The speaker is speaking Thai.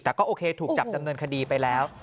แต่ก็โอเคถูกจับดำเนินคดีไปแล้ว